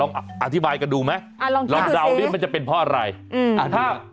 ลองอธิบายกันดูไหมลองดาวนี่มันจะเป็นเพราะอะไรอ่าลองคิดดูสิ